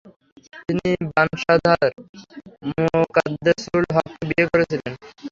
তিনি বানসাদাহার মোকাদ্দেসুল হককে বিয়ে করেছিলেন।